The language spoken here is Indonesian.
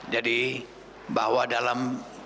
jadi bahwa dalam